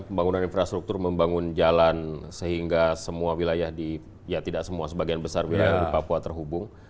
pembangunan infrastruktur membangun jalan sehingga semua wilayah di ya tidak semua sebagian besar wilayah di papua terhubung